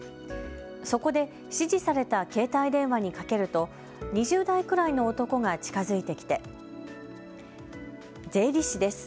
そこで指示された携帯電話にかけると２０代くらいの男が近づいてきて、税理士です。